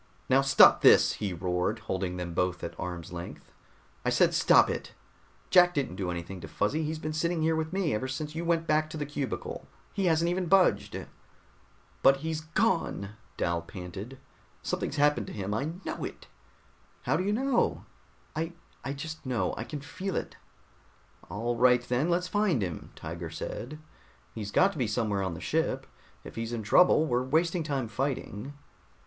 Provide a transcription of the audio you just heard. "Now stop this!" he roared, holding them both at arm's length. "I said stop it! Jack didn't do anything to Fuzzy, he's been sitting here with me ever since you went back to the cubicle. He hasn't even budged." "But he's gone," Dal panted. "Something's happened to him. I know it." "How do you know?" "I I just know. I can feel it." "All right, then let's find him," Tiger said. "He's got to be somewhere on the ship. If he's in trouble, we're wasting time fighting."